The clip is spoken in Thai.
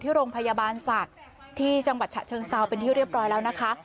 ที่โรงพยาบาลศักดิ์ที่จังหวัดฉะเชิงเซาเป็นที่เรียบร้อยแล้วนะคะ